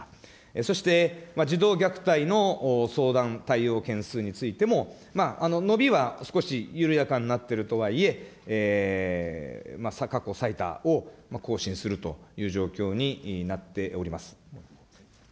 そして、児童虐待の相談対応件数についても伸びは少し緩やかになっているとはいえ、過去最多を更新するという状況になっております。